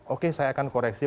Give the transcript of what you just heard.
oke saya akan koreksi